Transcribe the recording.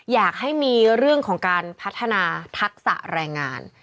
อยากให้มีเรื่องของการพัฒนาทักษะแรงงาน